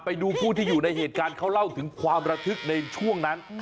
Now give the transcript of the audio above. ไปดูผู้ที่อยู่ในเหตุการณ์เขาเล่าถึงความระทึกในช่วงนั้น